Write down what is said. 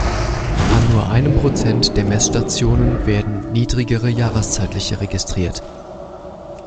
An nur einem Prozent der Messstationen werden niedrigere jahreszeitliche registriert.